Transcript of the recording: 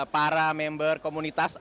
para member komunitas